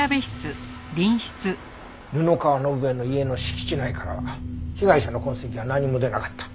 布川伸恵の家の敷地内からは被害者の痕跡は何も出なかった。